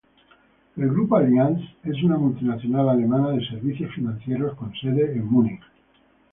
El Grupo Allianz es una multinacional alemana de servicios financieros con sede en Múnich.